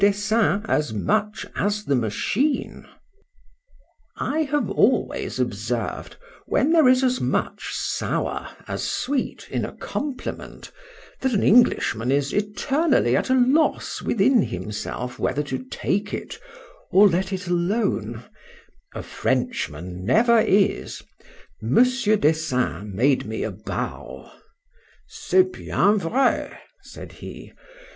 Dessein, as much as the machine— I have always observed, when there is as much sour as sweet in a compliment, that an Englishman is eternally at a loss within himself, whether to take it, or let it alone: a Frenchman never is: Mons. Dessein made me a bow. C'est bien vrai, said he.